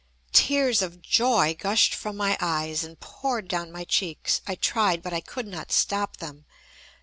Tears of joy gushed from my eyes, and poured down my cheeks. I tried, but I could not stop them.